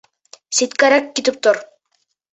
Ситкәрәк китеп тор.